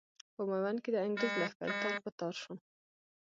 په ميوند کې د انګرېز لښکر تار په تار شو.